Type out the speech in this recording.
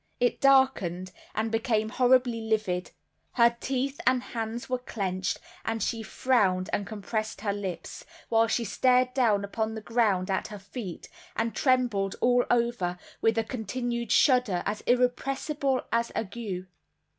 It darkened, and became horribly livid; her teeth and hands were clenched, and she frowned and compressed her lips, while she stared down upon the ground at her feet, and trembled all over with a continued shudder as irrepressible as ague.